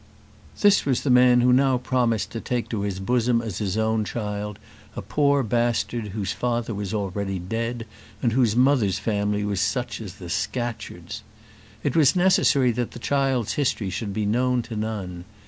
This was the man who now promised to take to his bosom as his own child a poor bastard whose father was already dead, and whose mother's family was such as the Scatcherds! It was necessary that the child's history should be known to none.